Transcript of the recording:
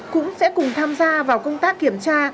cũng sẽ cùng tham gia vào công tác kiểm tra